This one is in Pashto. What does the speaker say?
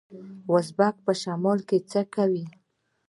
ازبکان په شمال کې څه کوي؟